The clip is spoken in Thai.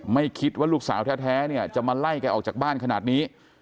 ไม่คิดว่าลูกสาวแท้เนี่ยจะมาไล่แกออกจากบ้านขนาดนี้